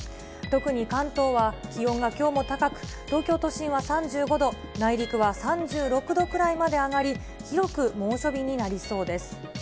特に関東は気温がきょうも高く、東京都心は３５度、内陸は３６度くらいまで上がり、広く猛暑日になりそうです。